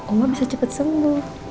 oma bisa cepet sembuh